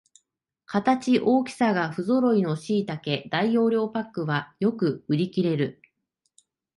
形、大きさがふぞろいのしいたけ大容量パックはよく売りきれる